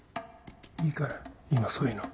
いいから今そういうの。